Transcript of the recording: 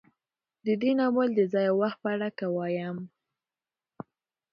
د دې ناول د ځاى او وخت په اړه که وايم